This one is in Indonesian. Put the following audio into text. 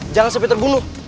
jangan sampai terbunuh